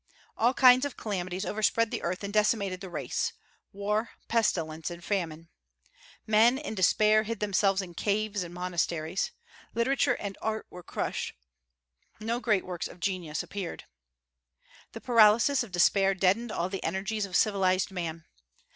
All kinds of calamities overspread the earth and decimated the race, war, pestilence, and famine. Men in despair hid themselves in caves and monasteries. Literature and art were crushed; no great works of genius appeared. The paralysis of despair deadened all the energies of civilized man.